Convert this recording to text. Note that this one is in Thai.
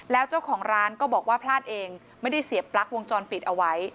แล้วเจ้าของร้านก็บอกว่าพลาดเองไม่ได้เสียปลั๊กวงจรปิดเอาไว้